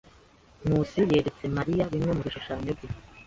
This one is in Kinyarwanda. Nkusi yeretse Mariya bimwe mu bishushanyo bye.